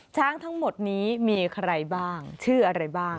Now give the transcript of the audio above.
ทั้งหมดนี้มีใครบ้างชื่ออะไรบ้าง